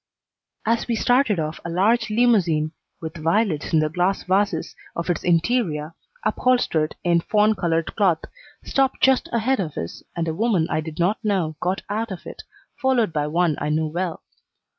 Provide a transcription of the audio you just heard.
As we started off a large limousine with violets in the glass vases of its interior, upholstered in fawn colored cloth, stopped just ahead of us, and a woman I did not know got out of it, followed by one I knew well.